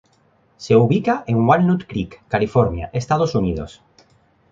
Se ubica en Walnut Creek, California, Estados Unidos.